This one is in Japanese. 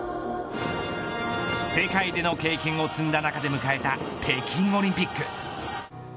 世界での経験を積んだ中で迎えた北京オリンピック。